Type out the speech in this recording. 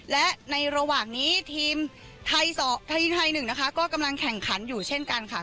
และในระหว่างนี้ทีมไทย๑นะคะก็กำลังแข่งขันอยู่เช่นกันค่ะ